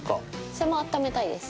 それもあっためたいです。